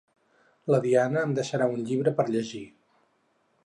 La Diana em deixarà un llibre per llegir.